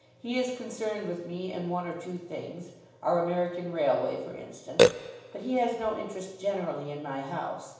He is concerned with me in one or two things, our American railway for instance, but he has no interest generally in my house.